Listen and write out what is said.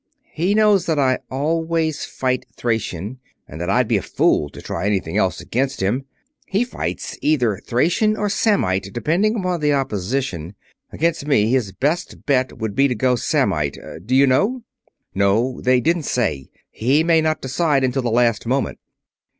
He knows that I always fight Thracian, and that I'd be a fool to try anything else against him. He fights either Thracian or Samnite depending upon the opposition. Against me his best bet would be to go Samnite. Do you know?" "No. They didn't say. He may not decide until the last moment."